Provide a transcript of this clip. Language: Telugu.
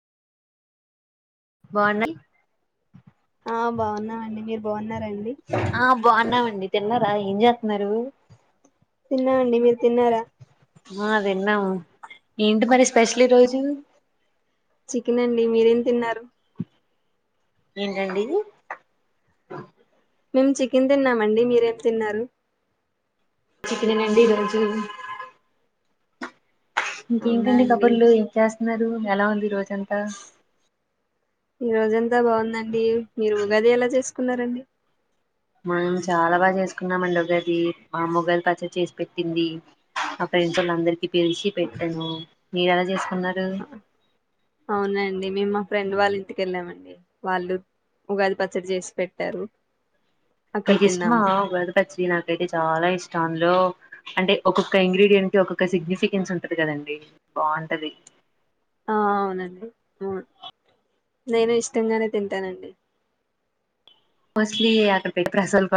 వనల్ ఆ బాగున్నామండి మీరు బాగున్నారండి ఆ బాగున్నామండి తిన్నారా ఏం చేస్తున్నారు తిన్నామండి మీరు తిన్నారా ఆ దిన్నము ఏంటి మరి స్పెషల్ ఈ రోజు చికెన్ అండి మీరేం తిన్నారు ఏంటండి ఈ మేము చికెన్ తిన్నామండి మీరేం తిన్నారు చికెనే అండి రోజు అవునా ఇంకేంటండి అండి కబుర్లు ఏం చేస్తున్నారు ఎలా ఉంది ఈ రోజంతా ఈ రోజ అంతా బాగుందండి. మీరు ఉగాది ఎలా చేసుకున్నారండి. మనం చాలా బాగా చేసుకున్నామండి ఉగాది మామ్మొగాయలు పచ్చడి చేసి పెట్టింది ఆ ఫెండ్స్ వాళ్ళ అందరికి పిలిచి పెట్టను మీరు ఎలా చేస్త అవునండి మ ఫ్రెండ్ వాళ్ళ ఇంటికెళ్ళామండి వాళ్ళు ఉగాది పచ్చడి చేసి పెట్టారు. అక్కడ మీకు ఇష్టమా తిన్నాము ఉగాది పచ్చిడి నాకైతే చాలా ఇష్టం అందులో అంటే ఒక్కొక్క ఇంగ్రీడియంట్ కి ఒక్కొక్క సిగ్నిఫికెన్స్ ఉంటది కదండి బాగుంటది. ఆ అవునండి అవును నేను ఇష్టంగానే తింటానండి. ఫస్ట్లీ ఆ యాకరకాయ ప్రాస్వల్ప